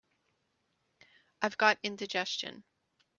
I've got indigestion.